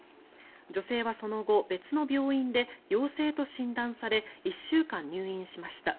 女性はその後別の病院で陽性と診断され１週間入院しました。